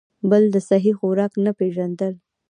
بل د سهي خوراک نۀ پېژندل ،